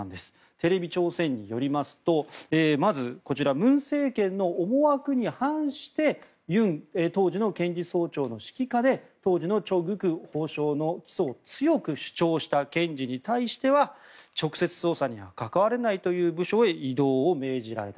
テレビ朝鮮によりますとまず、こちら文政権の思惑に反してユン当時の検事総長の指揮下で当時のチョ・グク法相の起訴を強く主張した検事に対しては直接捜査には関われないという部署への異動を命じられた。